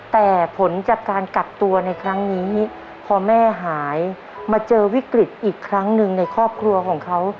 แต่ผลจากการกักตัวในครั้งนี้พอแม่หายมาเจอวิกฤตอีกครั้งหนึ่งในครอบครัวของเขา